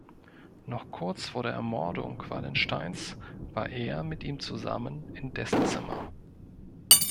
Noch kurz vor der Ermordung Wallensteins war er mit ihm zusammen in dessen Zimmer.